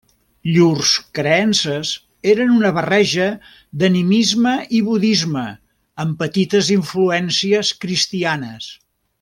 Llurs creences eren una barreja d'animisme i budisme amb petites influències cristianes.